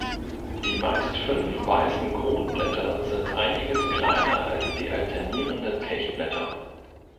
Die meist fünf weißen Kronblätter sind einiges kleiner als die alternierenden Kelchblätter.